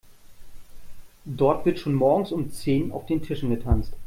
Dort wird schon morgens um zehn auf den Tischen getanzt.